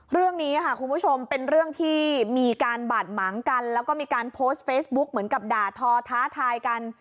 เรื่องนี้ค่ะคุณผู้ชมเป็นเรื่องที่มีการบาดหมางกันแล้วก็มีการโพสต์เฟซบุ๊กเหมือนกับด่าทอท้าทายกัน